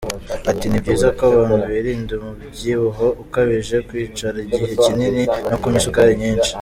Ati “Nibyiza ko abantu birinda umubyibuho ukabije, kwicara igihe kinini, no kunywa isukari nyinshi.